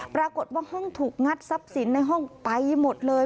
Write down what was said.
ปรากฏว่าห้องถูกงัดทรัพย์สินในห้องไปหมดเลย